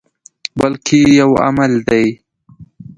بلکې یو عمل دی.